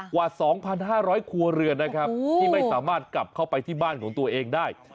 กว่า๒๕๐๐ครัวเรือนนะครับที่ไม่สามารถกลับเข้าไปที่บ้านของตัวเองได้